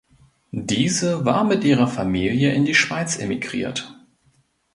Diese war mit ihrer Familie in die Schweiz emigriert.